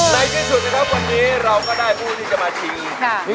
ในที่สุดนะครับวันนี้เราก็ได้ผู้ที่จะมาชิง